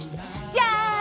じゃん！